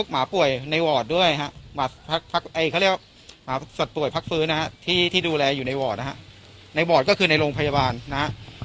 มาป่วยในวอร์ดด้วยเที่ยวบอกก็คือในโรงพยาบาลนะ